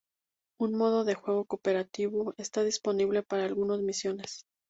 Un modo de juego cooperativo está disponible para algunas misiones.